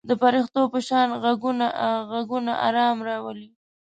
د پرښتو په شان غږونه آرام راولي.